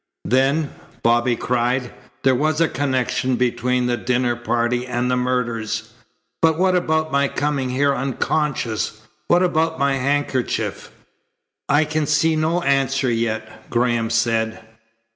"Then," Bobby cried, "there was a connection between the dinner party and the murders. But what about my coming here unconscious? What about my handkerchief?" "I can see no answer yet," Graham said.